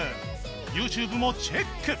ＹｏｕＴｕｂｅ もチェック